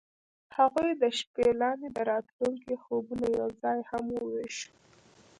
هغوی د شپه لاندې د راتلونکي خوبونه یوځای هم وویشل.